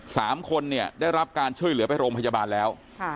สามคนเนี่ยได้รับการช่วยเหลือไปโรงพยาบาลแล้วค่ะ